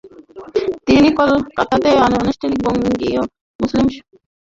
তিনি কলকাতাতে অনুষ্ঠিত বঙ্গীয় মুসলিম সাহিত্য সম্মেলন-এর প্রধান অধিবেশনে সভাপতিত্ব করেন।